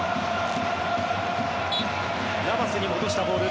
ナバスに戻したボール。